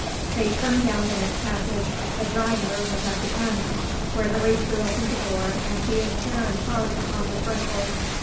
They turned down the next passage; the drawing room was at the end. Gregory threw open the door and he and Karen paused upon the threshold.